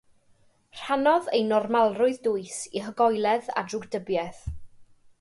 Rhannodd ei normalrwydd dwys i hygoeledd a drwgdybiaeth.